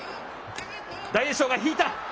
大栄翔が引いた。